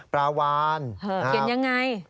ปราวานเขียนอย่างไร